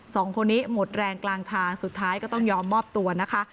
สองคนนี้หมดแรงกลางทางสุดท้ายก็ต้องยอมมอบตัวนะคะ